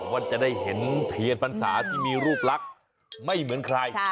ว่าจะได้เห็นเทียนพรรษาที่มีรูปลักษณ์ไม่เหมือนใคร